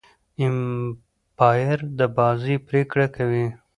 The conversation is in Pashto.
امپاير د بازۍ پرېکړي کوي.